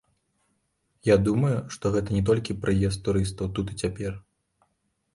Я думаю, што гэта не толькі прыезд турыстаў тут і цяпер.